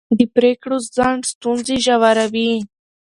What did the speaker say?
د پرېکړو ځنډ ستونزې ژوروي